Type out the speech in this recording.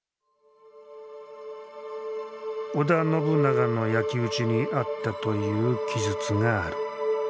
織田信長の焼き打ちにあったという記述がある。